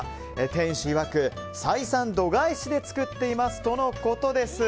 店主いわく採算度外視で作っていますとのことです。